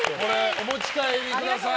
お持ち帰りください。